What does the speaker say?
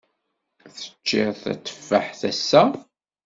Teččiḍ tatteffaḥt ass-a?